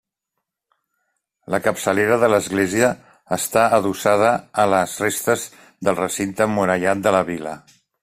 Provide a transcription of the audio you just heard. La capçalera de l'església està adossada a les restes del recinte emmurallat de la vila.